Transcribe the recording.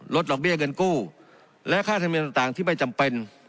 ดอกเบี้ยเงินกู้และค่าธรรมเนียมต่างที่ไม่จำเป็น